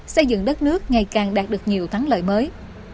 xây dựng đất nước ngày càng đạt được nhiều thắng lợi mới